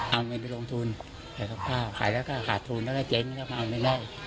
เอาเงินไปลงทุนใส่กับข้าวขายแล้วก็ขาดทุนแล้วก็เจ๊งแล้วก็เอาเงินมาก